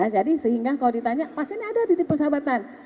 jadi sehingga kalau ditanya pasiennya ada di persahabatan